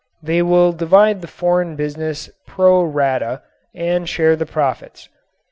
They will divide the foreign business pro rata and share the profits.